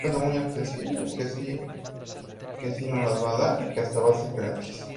Ha incursionado en baladas, música electrónica, gospel, country y latin music.